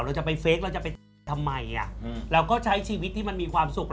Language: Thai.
เราจะไปเฟคเราจะไปทำไมเราก็ใช้ชีวิตที่มันมีความสุข